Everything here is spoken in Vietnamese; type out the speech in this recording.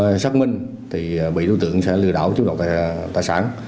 không xác minh thì bị đối tượng sẽ lừa đảo chú độc tài sản